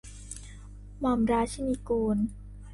หม่อมราชินิกูล